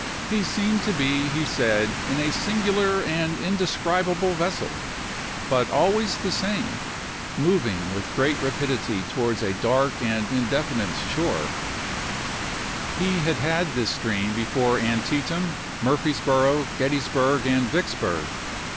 He seemed to be, he said, in a singular and indescrib able vessel, but always the same, moving with great rapidity towards a dark and indefinite shore ; he had had this dream before Antietam, Murfrees boro', Gettysburg, and Yicksburg.